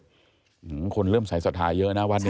คนนี้คนเริ่มใส่สัตว์ถ่ายเยอะนะวันนี้